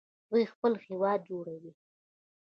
دوی خپل هیواد جوړوي.